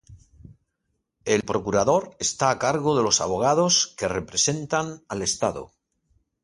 El procurador está a cargo de los abogados que representan al estado.